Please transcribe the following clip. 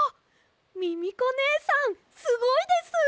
ミミコねえさんすごいです！